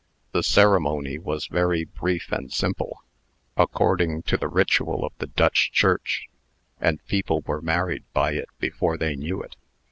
The ceremony was very brief and simple according to the ritual of the Dutch Church and people were married by it before they knew it.